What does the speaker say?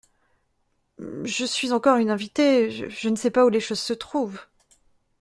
Je suis encore une invitée, je ne sais pas où les choses se trouvent…